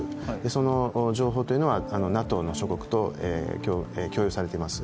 その情報というのはＮＡＴＯ諸国と共有されています。